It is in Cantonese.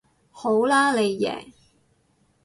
好啦你贏